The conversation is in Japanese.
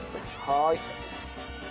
はい。